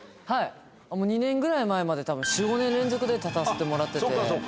はい２年ぐらい前までたぶん４５年連続で立たせてもらってて。